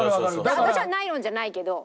私はナイロンじゃないけど。